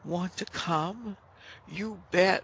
Want to come?" "You bet!